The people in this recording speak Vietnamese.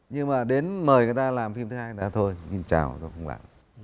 nhưng mà đến mời người ta làm phim thứ hai người ta nói thôi xin chào tôi không làm